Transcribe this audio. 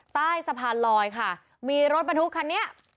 ใต้สะพานลอยค่ะมีรถบรรทุกคันนี้